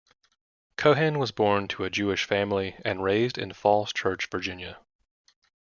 Cohen was born to a Jewish family and raised in Falls Church, Virginia.